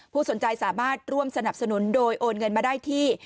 สนใจสามารถร่วมสนับสนุนโดยโอนเงินมาได้ที่